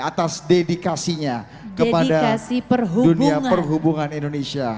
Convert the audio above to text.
atas dedikasinya kepada dunia perhubungan indonesia